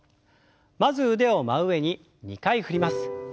まず腕を真上に２回振ります。